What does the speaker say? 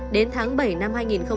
đến tháng bảy năm hai nghìn một mươi chín